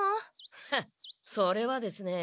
フッそれはですね